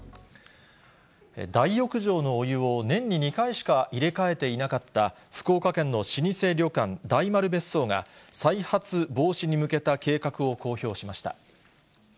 大浴場のお湯を年に２回しか入れ替えていなかった福岡県の老舗旅館、大丸別荘が、再発防止に向けた計画を公表しました。